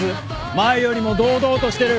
前よりも堂々としてる。